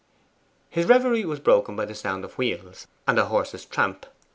His reverie was broken by the sound of wheels, and a horse's tramp.